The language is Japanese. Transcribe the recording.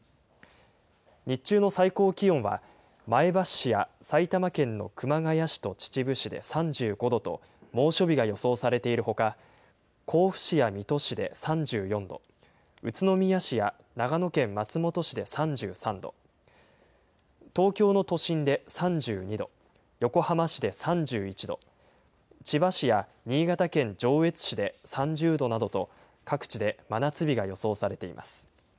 日中の最高気温は、前橋市や埼玉県の熊谷市と秩父市で３５度と、猛暑日が予想されているほか、甲府市や水戸市で３４度、宇都宮市や長野県松本市で３３度、東京の都心で３２度、横浜市で３１度、千葉市や新潟県上越市で３０度などと、各地で真夏日が予想されています。